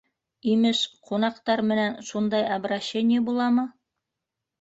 Имеш, ҡунаҡтар менән шундай обращение буламы?